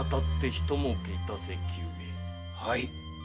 はい。